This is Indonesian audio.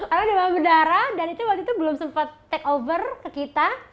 karena demam berdarah dan itu waktu itu belum sempat take over ke kita